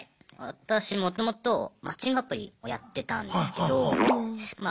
私もともとマッチングアプリをやってたんですけどまあ